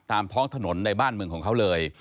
ท้องถนนในบ้านเมืองของเขาเลย